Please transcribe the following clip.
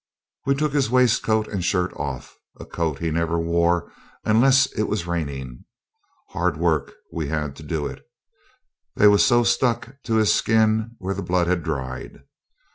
We took his waistcoat and shirt off a coat he never wore unless it was raining. Hard work we had to do it, they was so stuck to his skin when the blood had dried.